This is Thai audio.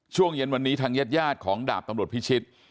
ช่วงเย็นวันนี้ทางญาติของดาบตำรวจพิชิต